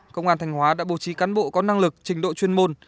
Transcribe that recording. công an thanh hóa đã bố trí cán bộ có năng lực trình độ chuyên môn